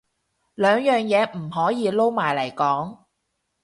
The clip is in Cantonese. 兩樣嘢唔可以撈埋嚟講